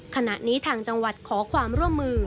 ขณะนี้ทางจังหวัดขอความร่วมมือ